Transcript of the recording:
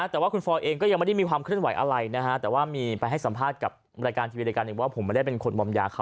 แต่ว่าคุณฟอยเองก็ยังไม่ได้มีความเคลื่อนไหวอะไรนะฮะแต่ว่ามีไปให้สัมภาษณ์กับรายการทีวีรายการหนึ่งว่าผมไม่ได้เป็นคนมอมยาเขา